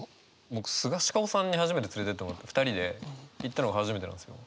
僕スガシカオさんに初めて連れてってもらって２人で行ったのが初めてなんですよ。